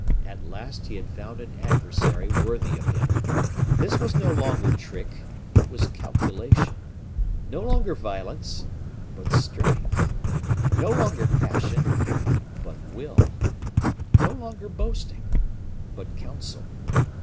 At last he had found an adversary worthy of him. This was no longer trick, it was calculation; no longer violence, but strength; no longer passion, but will; no longer boasting, but council.